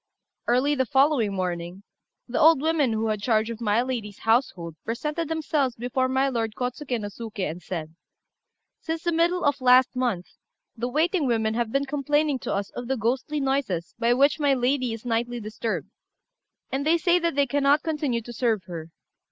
Early the following morning, the old women who had charge of my lady's household presented themselves before my lord Kôtsuké no Suké, and said "Since the middle of last month, the waiting women have been complaining to us of the ghostly noises by which my lady is nightly disturbed, and they say that they cannot continue to serve her.